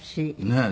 ねえ。